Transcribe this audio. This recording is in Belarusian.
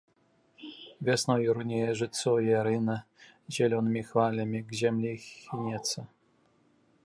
Вясною рунее жытцо і ярына, зялёнымі хвалямі к зямлі хінецца.